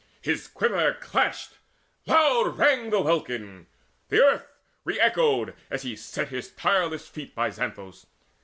His quiver clashed; loud rang The welkin; earth re echoed, as he set His tireless feet by Xanthus.